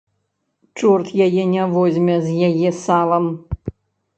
Чорт яе не возьме з яе салам.